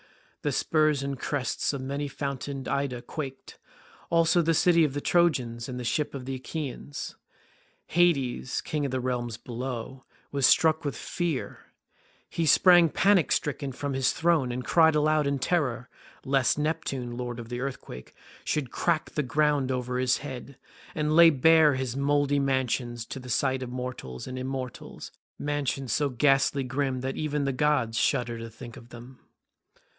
The spurs and crests of many fountained Ida quaked, as also the city of the Trojans and the ships of the Achaeans. Hades, king of the realms below, was struck with fear; he sprang panic stricken from his throne and cried aloud in terror lest Neptune, lord of the earthquake, should crack the ground over his head, and lay bare his mouldy mansions to the sight of mortals and immortals—mansions so ghastly grim that even the gods shudder to think of them.